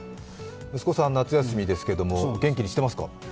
息子さんは夏休みですけれども元気にしてますか？